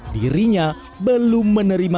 dirinya belum menerima pertemuan